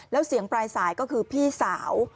แล้วเสียงปลายสายก็คือพี่สาว